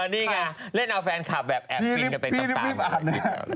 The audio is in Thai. นี่ไงเล่นเอาแฟนคลับแบบแอบกินกันเป็นต่าง